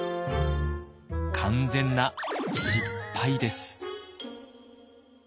完全な失敗です。